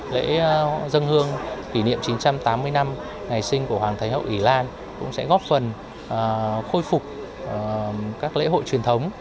lễ dân hương kỷ niệm chín trăm tám mươi năm ngày sinh của hoàng thái hậu ý lan cũng sẽ góp phần khôi phục các lễ hội truyền thống